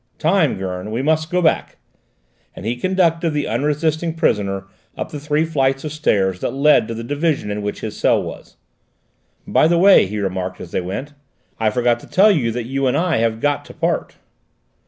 "Time, Gurn! We must go back," and he conducted the unresisting prisoner up the three flights of stairs that led to the division in which his cell was. "By the way," he remarked as they went, "I forgot to tell you that you and I have got to part."